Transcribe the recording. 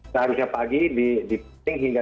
seharusnya pagi dipending hingga